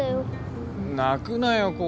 泣くなよ